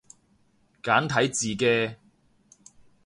簡體字嘅